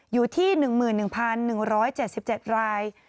อยู่ที่๑๑๑๗๗ราย